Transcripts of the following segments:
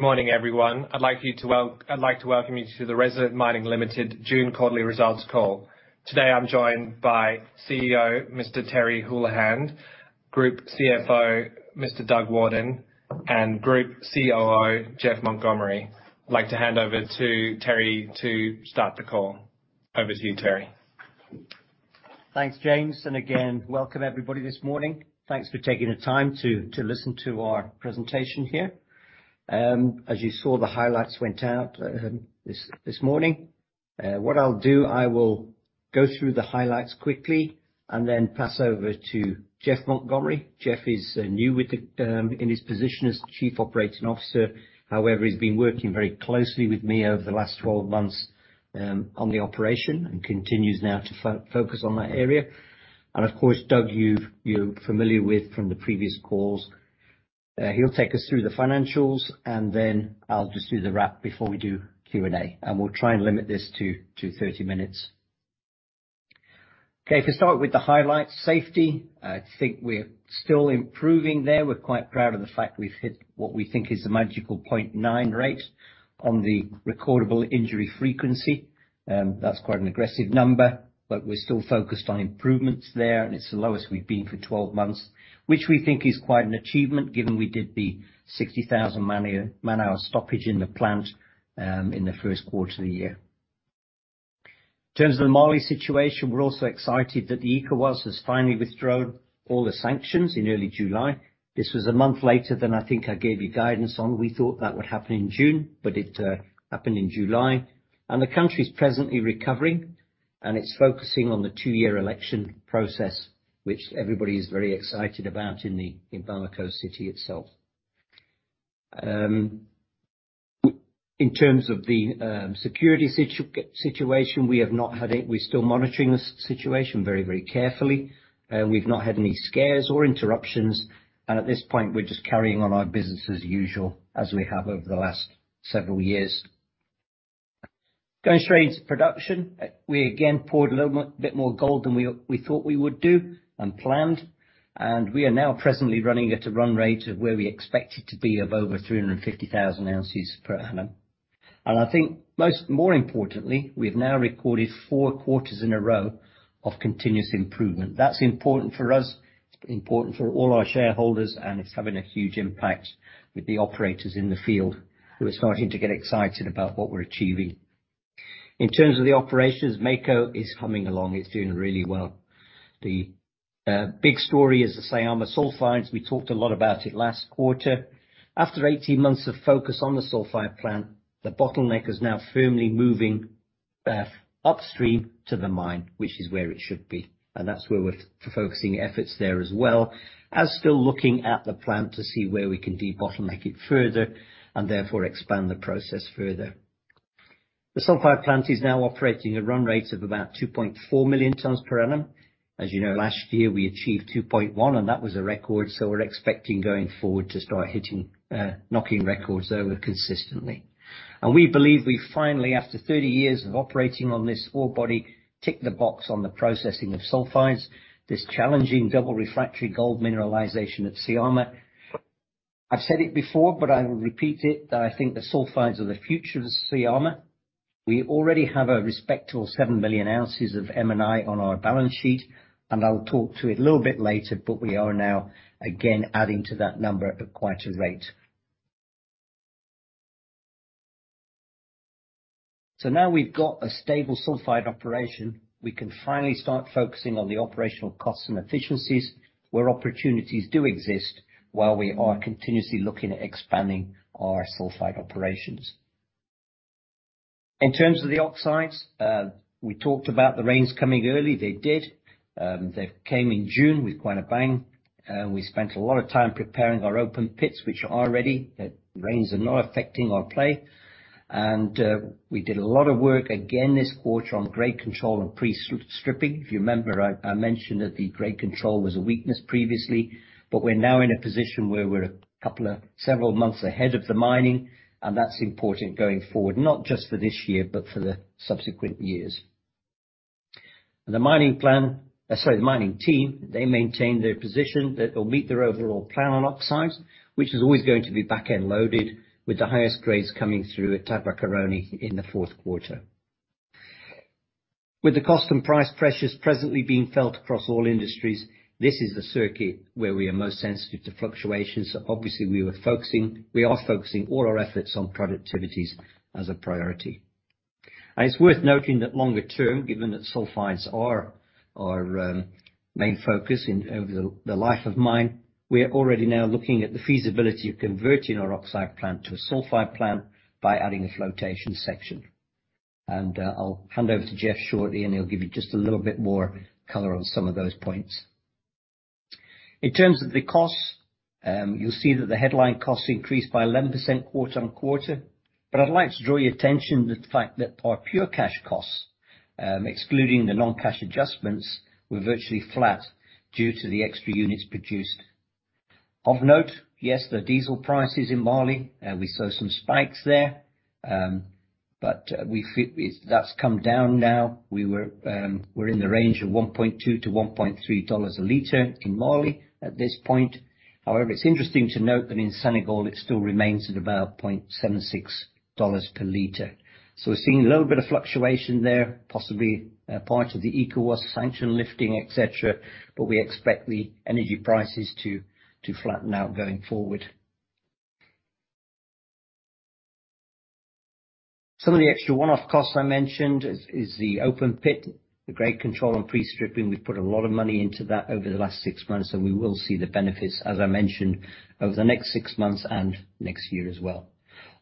Morning, everyone. I'd like to welcome you to the Resolute Mining Limited June Quarterly Results Call. Today, I'm joined by CEO, Mr. Terry Holohan, Group CFO, Mr. Doug Warden, and Group COO, Geoff Montgomery. I'd like to hand over to Terry to start the call. Over to you, Terry. Thanks, James, and again, welcome everybody this morning. Thanks for taking the time to listen to our presentation here. As you saw, the highlights went out this morning. What I'll do, I will go through the highlights quickly and then pass over to Geoff Montgomery. Geoff is new in his position as Chief Operating Officer. However, he's been working very closely with me over the last 12 months on the operation and continues now to focus on that area. Of course, Doug, you're familiar with from the previous calls. He'll take us through the financials, and then I'll just do the wrap before we do Q&A, and we'll try and limit this to 30 minutes. Okay, to start with the highlights. Safety, I think we're still improving there. We're quite proud of the fact we've hit what we think is a magical 0.9 rate on the recordable injury frequency. That's quite an aggressive number, but we're still focused on improvements there, and it's the lowest we've been for 12 months, which we think is quite an achievement given we did the 60,000 man-hour stoppage in the plant in the first quarter of the year. In terms of the Mali situation, we're also excited that the ECOWAS has finally withdrawn all the sanctions in early July. This was a month later than I think I gave you guidance on. We thought that would happen in June, but it happened in July. The country is presently recovering, and it's focusing on the two-year election process, which everybody is very excited about in Bamako City itself. In terms of the security situation, we're still monitoring the situation very carefully. We've not had any scares or interruptions, and at this point, we're just carrying on our business as usual as we have over the last several years. Going straight into production. We again poured a little bit more gold than we thought we would do and planned. We are now presently running at a run rate of where we expect it to be of over 350,000 ounces per annum. I think more importantly, we've now recorded four quarters in a row of continuous improvement. That's important for us, it's important for all our shareholders, and it's having a huge impact with the operators in the field, who are starting to get excited about what we're achieving. In terms of the operations, Mako is coming along. It's doing really well. The big story is the Syama sulfides. We talked a lot about it last quarter. After 18 months of focus on the sulfide plant, the bottleneck is now firmly moving upstream to the mine, which is where it should be, and that's where we're focusing efforts there as well. We're still looking at the plant to see where we can debottleneck it further and therefore expand the process further. The sulfide plant is now operating at run rates of about 2.4 million tons per annum. As you know, last year we achieved 2.1, and that was a record. We're expecting going forward to start hitting, knocking records over consistently. We believe we finally, after 30 years of operating on this ore body, tick the box on the processing of sulfides, this challenging double refractory gold mineralization at Syama. I've said it before, but I will repeat it, that I think the sulfides are the future of Syama. We already have a respectable 7 million ounces of M&I on our balance sheet, and I'll talk to it a little bit later, but we are now again adding to that number at quite a rate. Now we've got a stable sulfide operation, we can finally start focusing on the operational costs and efficiencies where opportunities do exist while we are continuously looking at expanding our sulfide operations. In terms of the oxides, we talked about the rains coming early. They did. They came in June with quite a bang. We spent a lot of time preparing our open pits, which are ready. The rains are not affecting our plan. We did a lot of work again this quarter on grade control and pre-stripping. If you remember, I mentioned that the grade control was a weakness previously, but we're now in a position where we're a couple of several months ahead of the mining, and that's important going forward, not just for this year, but for the subsequent years. The mining team, they maintain their position that they'll meet their overall plan on oxides, which is always going to be back-end loaded with the highest grades coming through at Tabakoroni in the fourth quarter. With the cost and price pressures presently being felt across all industries, this is the circuit where we are most sensitive to fluctuations. Obviously, we are focusing all our efforts on productivities as a priority. It's worth noting that longer term, given that sulfides are our main focus over the life of mine, we are already now looking at the feasibility of converting our oxide plant to a sulfide plant by adding a flotation section. I'll hand over to Geoff shortly, and he'll give you just a little bit more color on some of those points. In terms of the costs, you'll see that the headline costs increased by 11% quarter-over-quarter. I'd like to draw your attention to the fact that our pure cash costs, excluding the non-cash adjustments, were virtually flat due to the extra units produced. Of note, yes, the diesel prices in Mali, we saw some spikes there. That's come down now. We're in the range of $1.2-$1.3 a liter in Mali at this point. However, it's interesting to note that in Senegal, it still remains at about $0.76 per liter. We're seeing a little bit of fluctuation there, possibly part of the ECOWAS sanction lifting, et cetera, but we expect the energy prices to flatten out going forward. Some of the extra one-off costs I mentioned is the open pit, the grade control and pre-stripping. We've put a lot of money into that over the last six months, and we will see the benefits, as I mentioned, over the next six months and next year as well.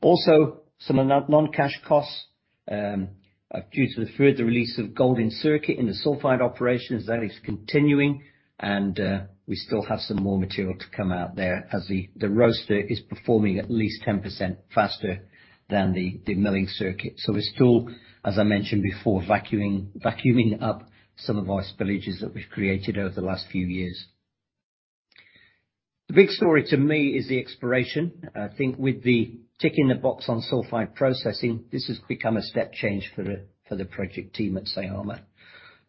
Also, some non-cash costs due to the further release of gold in circuit in the sulfide operations. That is continuing, and we still have some more material to come out there as the roaster is performing at least 10% faster than the milling circuit. We're still, as I mentioned before, vacuuming up some of our spillages that we've created over the last few years. The big story to me is the exploration. I think with the ticking the box on sulfide processing, this has become a step change for the project team at Syama.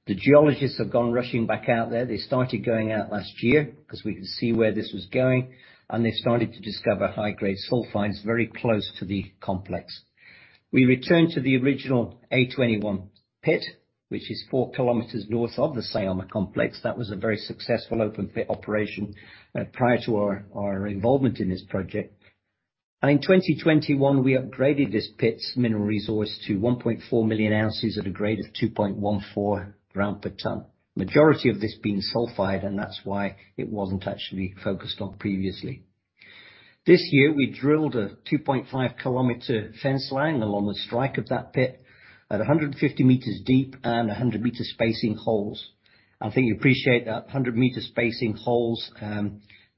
The geologists have gone rushing back out there. They started going out last year 'cause we could see where this was going, and they started to discover high-grade sulfides very close to the complex. We returned to the original A21 pit, which is 4 kilometers north of the Syama complex. That was a very successful open pit operation prior to our involvement in this project. In 2021, we upgraded this pit's mineral resource to 1.4 million ounces at a grade of 2.14 grams per tonne. Majority of this being sulfide, and that's why it wasn't actually focused on previously. This year, we drilled a 2.5-kilometer fence line along the strike of that pit at 150 meters deep and 100 meters spacing holes. I think you appreciate that 100 meters spacing holes,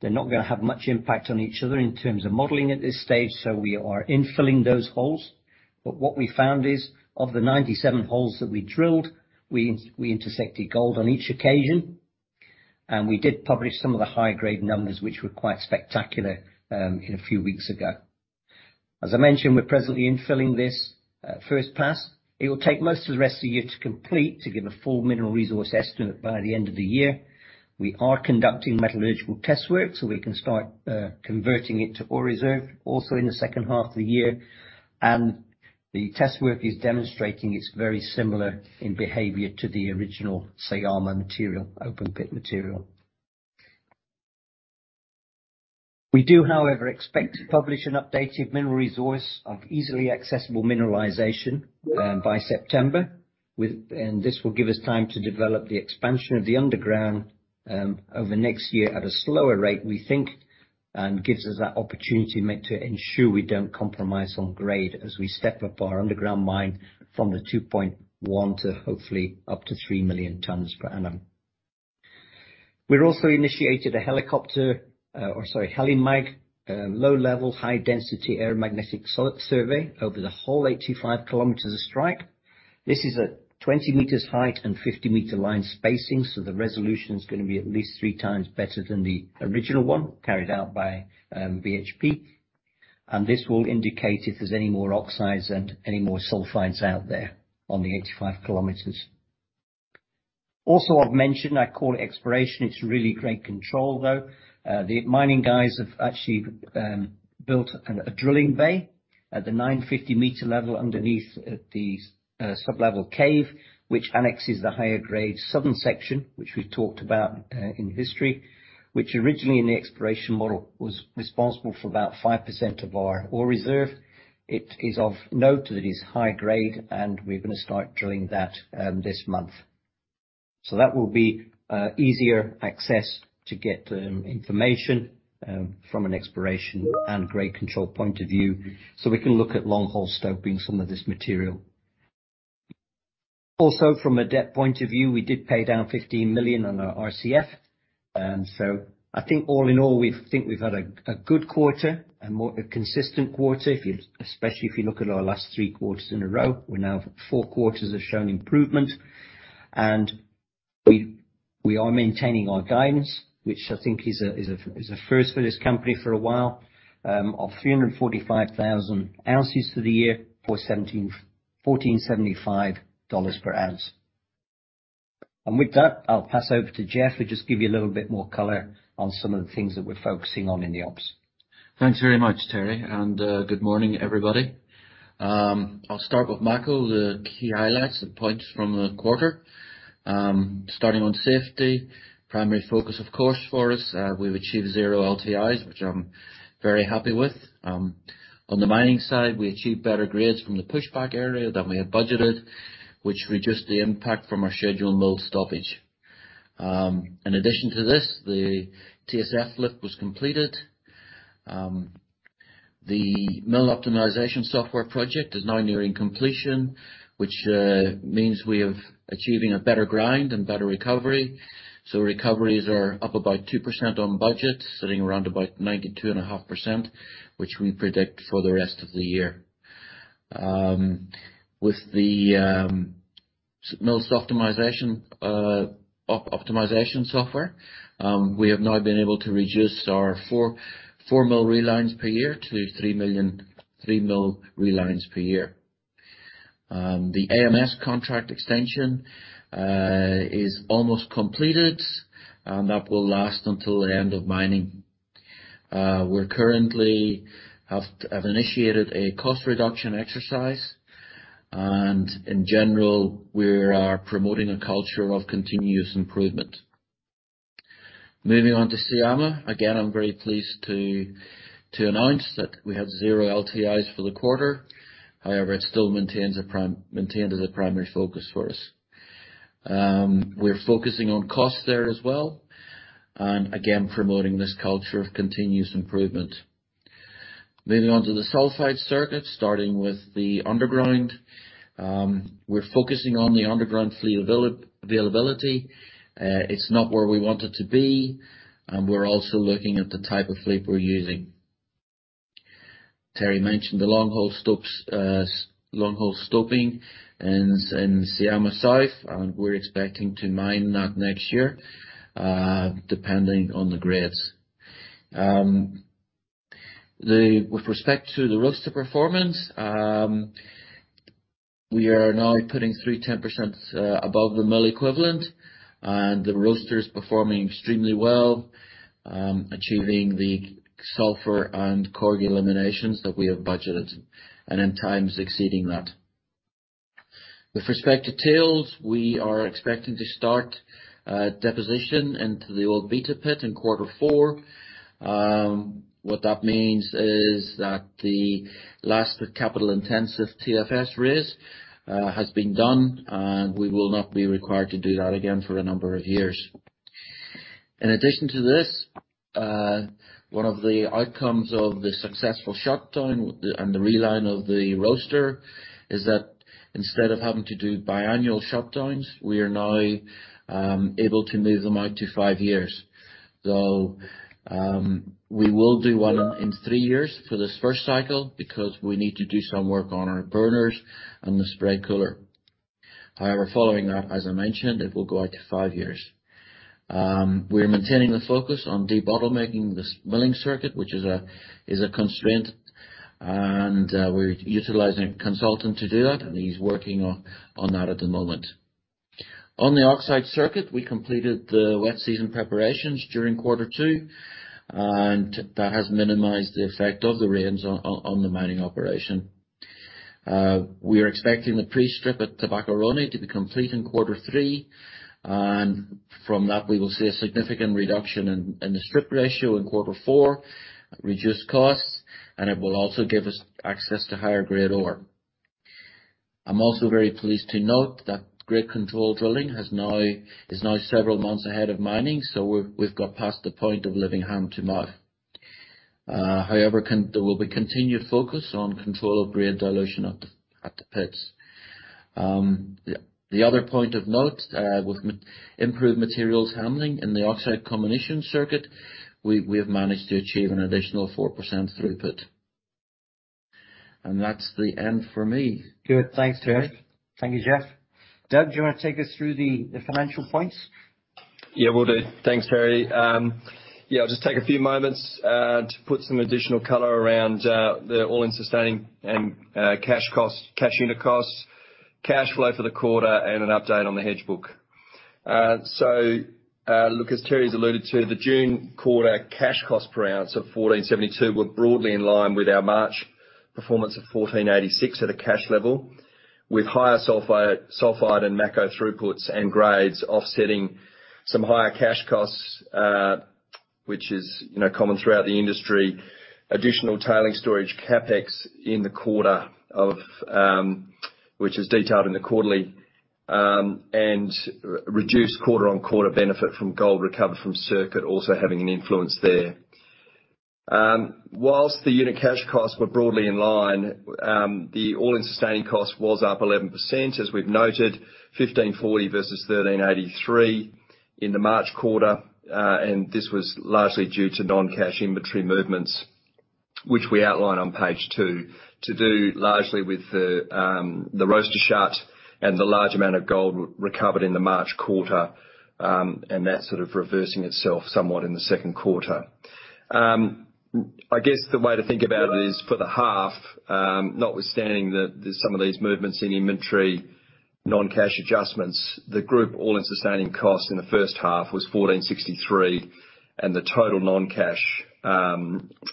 they're not gonna have much impact on each other in terms of modeling at this stage, so we are infilling those holes. What we found is, of the 97 holes that we drilled, we intersected gold on each occasion. We did publish some of the high-grade numbers, which were quite spectacular, a few weeks ago. As I mentioned, we're presently infilling this, first pass. It will take most of the rest of the year to complete to give a full mineral resource estimate by the end of the year. We are conducting metallurgical test work so we can start, converting it to ore reserve also in the second half of the year. The test work is demonstrating it's very similar in behavior to the original Syama material, open pit material. We do, however, expect to publish an updated mineral resource of easily accessible mineralization, by September. This will give us time to develop the expansion of the underground over next year at a slower rate, we think, and gives us that opportunity to ensure we don't compromise on grade as we step up our underground mine from the 2.1 to hopefully up to 3 million tons per annum. We've also initiated a HeliMag, a low-level, high-density aeromagnetic survey over the whole 85 kilometers of strike. This is at 20 meters height and 50 meter line spacing, so the resolution's gonna be at least 3 times better than the original one carried out by BHP. This will indicate if there's any more oxides and any more sulfides out there on the 85 kilometers. Also I've mentioned, I call it exploration, it's really grade control though. The mining guys have actually built a drilling bay at the 950 meter level underneath, at the sub-level cave, which annexes the higher grade southern section, which we've talked about in history, which originally in the exploration model was responsible for about 5% of our ore reserve. It is of note that it is high grade, and we're gonna start drilling that this month. That will be easier access to get information from an exploration and grade control point of view. We can look at long hole stoping some of this material. Also from a debt point of view, we did pay down $15 million on our RCF. I think all in all, we think we've had a good quarter, a more consistent quarter especially if you look at our last three quarters in a row. We're now four quarters have shown improvement. We are maintaining our guidance, which I think is a first for this company for a while, of 345,000 ounces for the year for $1,475 per ounce. With that, I'll pass over to Geoff, who'll just give you a little bit more color on some of the things that we're focusing on in the ops. Thanks very much, Terry, and good morning, everybody. I'll start with Mako, the key highlights and points from the quarter. Starting on safety, primary focus of course for us, we've achieved zero LTIs, which I'm very happy with. On the mining side, we achieved better grades from the push back area than we had budgeted, which reduced the impact from our scheduled mill stoppage. In addition to this, the TSF lift was completed. The mill optimization software project is now nearing completion, which means we are achieving a better grind and better recovery. Recoveries are up about 2% on budget, sitting around about 92.5%, which we predict for the rest of the year. With the mill optimization software. We have now been able to reduce our 4 mill relines per year to 3 mill relines per year. The AMS contract extension is almost completed, and that will last until the end of mining. We have currently initiated a cost reduction exercise. In general, we are promoting a culture of continuous improvement. Moving on to Syama. Again, I'm very pleased to announce that we have zero LTIs for the quarter. However, it still maintains as a primary focus for us. We're focusing on costs there as well and again, promoting this culture of continuous improvement. Moving on to the sulfide circuit, starting with the underground. We're focusing on the underground fleet availability. It's not where we want it to be, and we're also looking at the type of fleet we're using. Terry mentioned the long hole stoping in Syama South, and we're expecting to mine that next year, depending on the grades. With respect to the roaster performance, we are now putting 30% above the mill equivalent, and the roaster is performing extremely well, achieving the sulfur and carbon eliminations that we have budgeted, and in times exceeding that. With respect to tails, we are expecting to start deposition into the old Beta pit in quarter four. What that means is that the last capital-intensive TSF raise has been done, and we will not be required to do that again for a number of years. In addition to this, one of the outcomes of the successful shutdown and the reline of the roaster is that instead of having to do biannual shutdowns, we are now able to move them out to five years. Though, we will do one in three years for this first cycle because we need to do some work on our burners and the spray cooler. However, following that, as I mentioned, it will go out to five years. We're maintaining the focus on debottlenecking this milling circuit, which is a constraint. We're utilizing a consultant to do that, and he's working on that at the moment. On the oxide circuit, we completed the wet season preparations during quarter two, and that has minimized the effect of the rains on the mining operation. We are expecting the pre-strip at Tabakoroni to be complete in quarter three, and from that, we will see a significant reduction in the strip ratio in quarter four, reduce costs, and it will also give us access to higher grade ore. I'm also very pleased to note that grade control drilling is now several months ahead of mining, so we've got past the point of living hand to mouth. However, there will be continued focus on control of grade dilution at the pits. The other point of note, with improved materials handling in the oxide combination circuit, we have managed to achieve an additional 4% throughput. That's the end for me. Good. Thanks, Terry. Thank you, Geoff. Doug, do you wanna take us through the financial points? Yeah, will do. Thanks, Terry. Yeah, I'll just take a few moments to put some additional color around the all-in sustaining and cash costs, cash unit costs, cash flow for the quarter and an update on the hedge book. Look, as Terry's alluded to, the June quarter cash cost per ounce of $1,472 was broadly in line with our March performance of $1,486 at a cash level, with higher sulfur, sulfide and Mako throughputs and grades offsetting some higher cash costs, which is, you know, common throughout the industry. Additional tailings storage CapEx in the quarter of, which is detailed in the quarterly, and reduced quarter-on-quarter benefit from gold recovered from circuit also having an influence there. While the unit cash costs were broadly in line, the all-in sustaining cost was up 11%, as we've noted, $1,540 versus $1,383 in the March quarter. This was largely due to non-cash inventory movements, which we outline on page 2, to do largely with the roaster shutdown and the large amount of gold recovered in the March quarter, and that sort of reversing itself somewhat in the second quarter. I guess, the way to think about it is for the half, notwithstanding some of these movements in inventory, non-cash adjustments, the group all-in sustaining costs in the first half was $1,463, and the total non-cash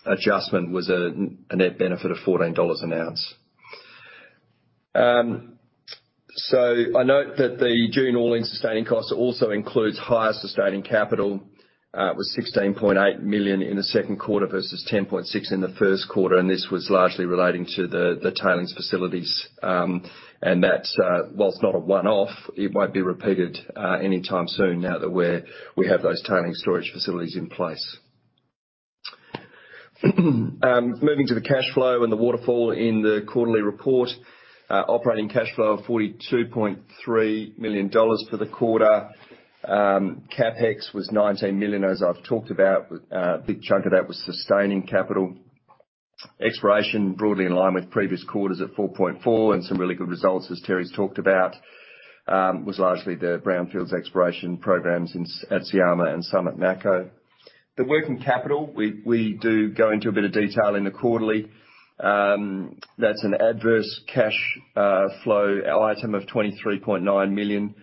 adjustment was a net benefit of $14 an ounce. I note that the June all-in sustaining cost also includes higher sustaining capital. It was $16.8 million in the second quarter versus $10.6 million in the first quarter, and this was largely relating to the tailings facilities. That's, while not a one-off, it won't be repeated anytime soon now that we have those tailings storage facilities in place. Moving to the cash flow and the waterfall in the quarterly report. Operating cash flow of $42.3 million for the quarter. CapEx was $19 million, as I've talked about. A big chunk of that was sustaining capital exploration broadly in line with previous quarters at $4.4 million, and some really good results, as Terry's talked about, was largely the brownfields exploration programs at Syama and some at Mako. The working capital, we do go into a bit of detail in the quarterly. That's an adverse cash flow item of $23.9 million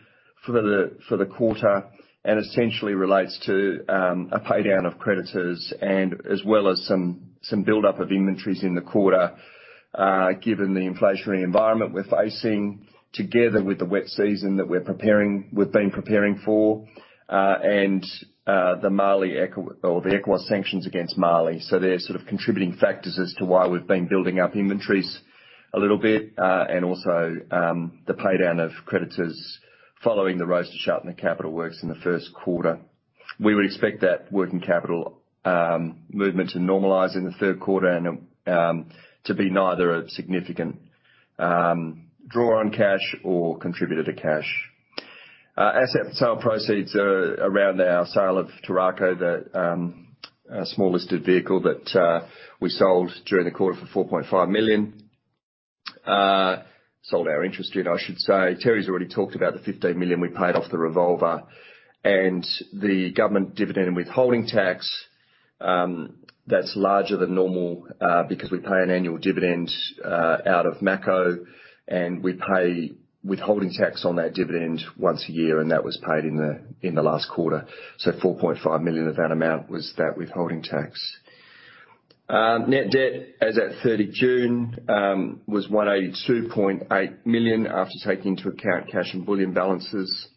for the quarter, and essentially relates to a pay down of creditors and as well as some buildup of inventories in the quarter. Given the inflationary environment we're facing, together with the wet season that we've been preparing for, and the ECOWAS sanctions against Mali. They're sort of contributing factors as to why we've been building up inventories a little bit, and also the pay down of creditors following the roaster shutdown and capital works in the first quarter. We would expect that working capital movement to normalize in the third quarter and to be neither a significant draw on cash or contributor to cash. Asset sale proceeds are around our sale of Toro, a small-listed vehicle that we sold during the quarter for $4.5 million. Sold our interest in, I should say. Terry's already talked about the $15 million we paid off the revolver. The government dividend and withholding tax, that's larger than normal, because we pay an annual dividend out of Mako, and we pay withholding tax on that dividend once a year, and that was paid in the last quarter. $4.5 million of that amount was that withholding tax. Net debt as at 30 June was $182.8 million after taking into account cash and bullion balances.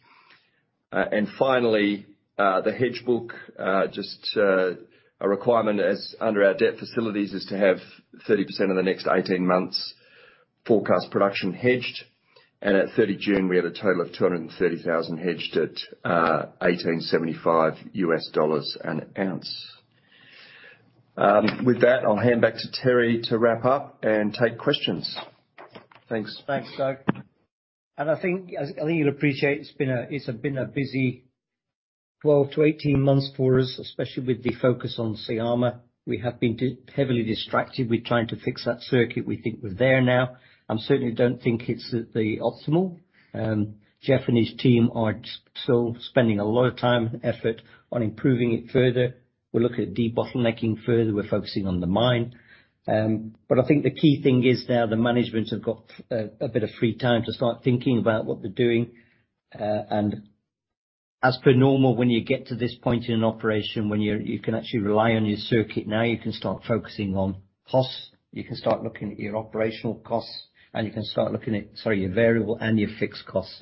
Finally, the hedge book, just, a requirement as under our debt facilities is to have 30% of the next 18 months forecast production hedged. At 30 June, we had a total of 230,000 hedged at $1,875 an ounce. With that, I'll hand back to Terry to wrap up and take questions. Thanks. Thanks, Doug. I think you'll appreciate it's been a busy 12-18 months for us, especially with the focus on Syama. We have been deeply distracted with trying to fix that circuit. We think we're there now. I certainly don't think it's at the optimal. Geoff and his team are still spending a lot of time and effort on improving it further. We're looking at debottlenecking further. We're focusing on the mine. I think the key thing is now the management have got a bit of free time to start thinking about what they're doing. As per normal, when you get to this point in an operation, you can actually rely on your circuit. Now you can start focusing on costs, you can start looking at your operational costs, and you can start looking at, sorry, your variable and your fixed costs.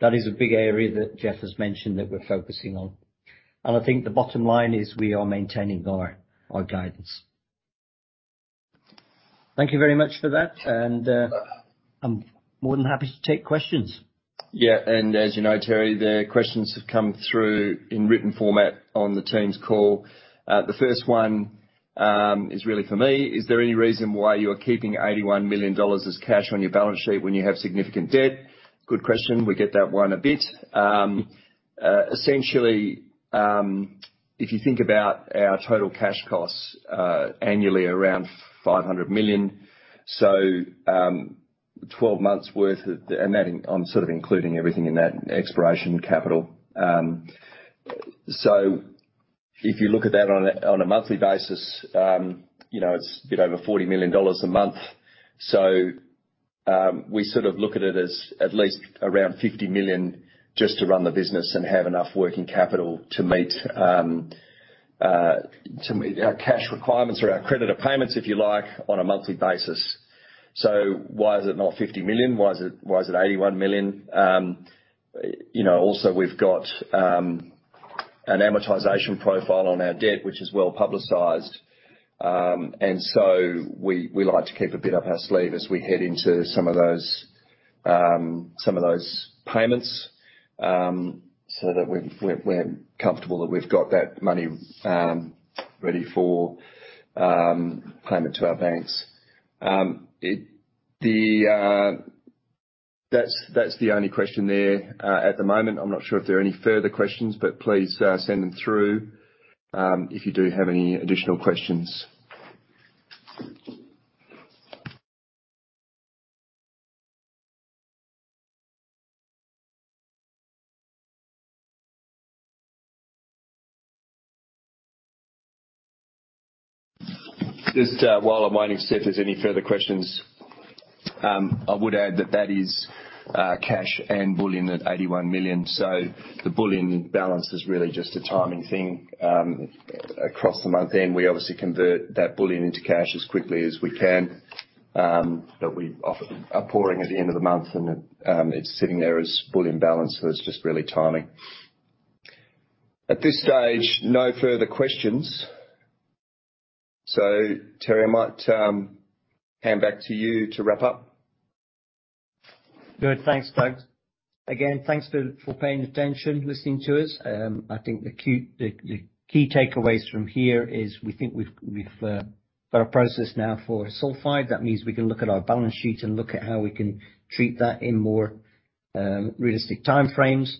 That is a big area that Geoff has mentioned that we're focusing on. I think the bottom line is we are maintaining our guidance. Thank you very much for that, and I'm more than happy to take questions. Yeah. As you know, Terry, the questions have come through in written format on the Teams call. The first one is really for me. Is there any reason why you're keeping $81 million as cash on your balance sheet when you have significant debt? Good question. We get that one a bit. Essentially, if you think about our total cash costs annually around $500 million, so twelve months' worth. I'm sort of including everything in that, exploration, capital. So if you look at that on a monthly basis, you know, it's a bit over $40 million a month. We sort of look at it as at least around $50 million just to run the business and have enough working capital to meet our cash requirements or our creditor payments, if you like, on a monthly basis. Why is it not $50 million? Why is it $81 million? You know, also we've got an amortization profile on our debt, which is well-publicized. We like to keep a bit up our sleeve as we head into some of those payments so that we're comfortable that we've got that money ready for payment to our banks. That's the only question there at the moment, I'm not sure if there are any further questions, but please send them through if you do have any additional questions. Just while I'm waiting to see if there's any further questions, I would add that that is cash and bullion at $81 million. The bullion balance is really just a timing thing across the month. Then we obviously convert that bullion into cash as quickly as we can, but we are pouring at the end of the month and it's sitting there as bullion balance, so it's just really timing. At this stage, no further questions. Terry, I might hand back to you to wrap up. Good. Thanks, Doug. Again, thanks for paying attention, listening to us. I think the key takeaways from here is we think we've got a process now for sulfide. That means we can look at our balance sheet and look at how we can treat that in more realistic timeframes.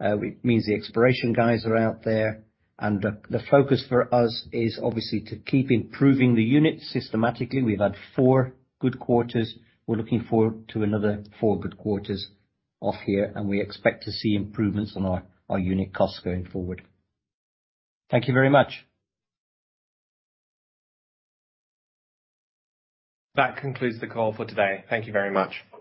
It means the exploration guys are out there. The focus for us is obviously to keep improving the unit systematically. We've had four good quarters. We're looking forward to another four good quarters off here, and we expect to see improvements on our unit costs going forward. Thank you very much. That concludes the call for today. Thank you very much.